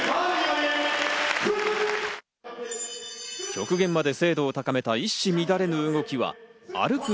極限まで精度を高めた一糸乱れぬ動きは歩く